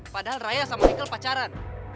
padahal raya sama nikel pacaran